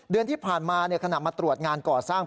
เดือนที่ผ่านมาขณะมาตรวจงานก่อสร้าง